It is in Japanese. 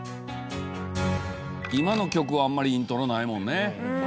今の曲はあんまりイントロないもんね。